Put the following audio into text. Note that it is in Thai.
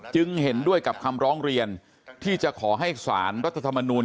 เห็นด้วยกับคำร้องเรียนที่จะขอให้สารรัฐธรรมนูล